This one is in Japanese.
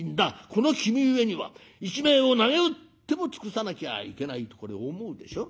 この君上には一命をなげうっても尽くさなきゃいけない』とこれ思うでしょ？